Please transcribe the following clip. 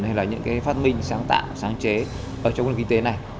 hay là những cái phát minh sáng tạo sáng chế ở trong nền kinh tế này